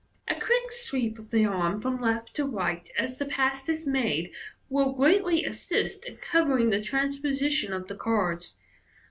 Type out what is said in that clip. A quick sweep of the arm from left to right as the pass is made will greatly assist in covering the transposition of the cards.